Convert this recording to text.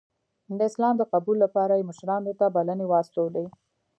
د اسلام د قبول لپاره یې مشرانو ته بلنې واستولې.